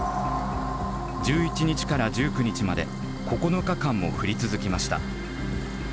１１日から１９日まで９日間も降り続きました。